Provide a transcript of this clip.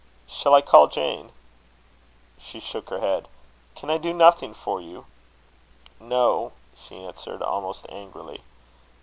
"Shall I call Jane?" She shook her head. "Can I do nothing for you?" "No," she answered, almost angrily.